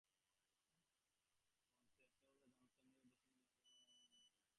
সরলা জানত নীরজা জেনেশুনেই ভুল নামদিয়ে প্রতিবাদ করলে।